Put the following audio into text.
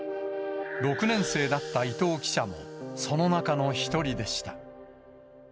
６年生だった伊藤記者も、その中の一人でした。